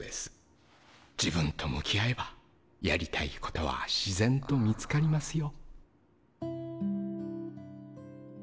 自分と向き合えばやりたいことは自然と見つかりますよ。